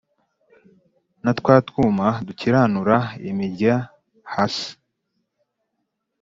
Na twa twuma dukiranura imirya hasi